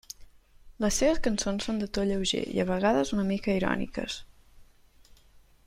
Les seves cançons són de to lleuger i, a vegades, una mica iròniques.